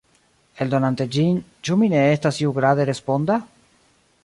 Eldonante ĝin, ĉu mi ne estas iugrade responda?